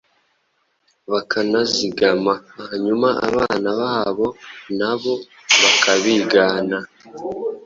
bakanazigama hanyuma abana babo na bo bakabigana.